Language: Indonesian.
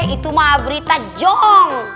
itu mah berita jong